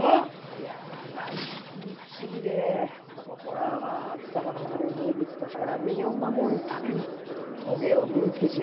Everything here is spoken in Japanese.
・いやなんとも不思議でこの子らは草花を食べる動物たちから身を守るためにトゲを身につけちゅう。